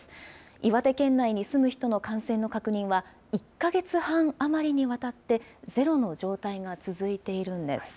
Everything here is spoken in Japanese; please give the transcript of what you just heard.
岩手県内に住む人の感染の確認は、１か月半余りにわたって、ゼロの状態が続いているんです。